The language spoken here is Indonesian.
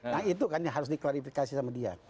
nah itu kan yang harus diklarifikasi sama dia